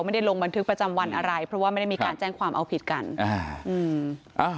ไม่ได้ลงบันทึกประจำวันอะไรเพราะว่าไม่ได้มีการแจ้งความเอาผิดกันอ่าอืมอ่า